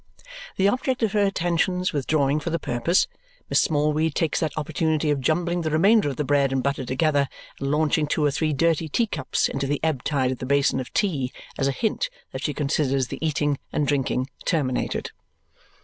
The object of her attentions withdrawing for the purpose, Miss Smallweed takes that opportunity of jumbling the remainder of the bread and butter together and launching two or three dirty tea cups into the ebb tide of the basin of tea as a hint that she considers the eating and drinking terminated.